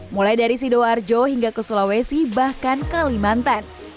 mulai dari sidoarjo hingga ke sulawesi bahkan kalimantan